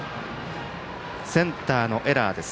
センターのエラーです。